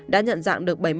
đã nhận dạng được